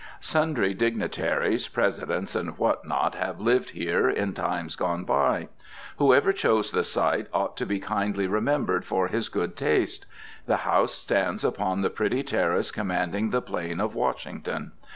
Sundry dignitaries, Presidents and what not, have lived here in times gone by. Whoever chose the site ought to be kindly remembered for his good taste. The house stands upon the pretty terrace commanding the plain of Washington.